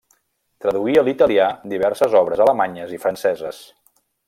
Traduí a l'italià diverses obres alemanyes i franceses.